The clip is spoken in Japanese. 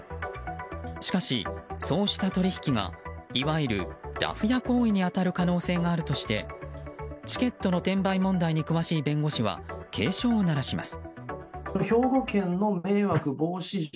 しかし、そうした取引がいわゆるダフ屋行為に当たる可能性があるとしてチケットの転売問題に詳しい弁護士は警鐘を鳴らします。